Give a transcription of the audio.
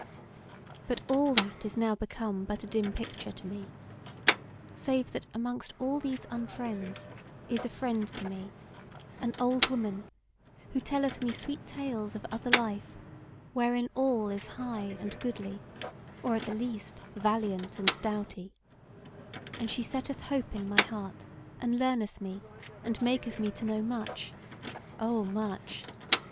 But all that is now become but a dim picture to me, save that amongst all these unfriends is a friend to me; an old woman, who telleth me sweet tales of other life, wherein all is high and goodly, or at the least valiant and doughty, and she setteth hope in my heart and learneth me, and maketh me to know much ... O much